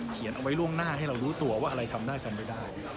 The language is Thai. เขียนเอาไว้ล่วงหน้าให้เรารู้ตัวว่าอะไรทำได้กันไม่ได้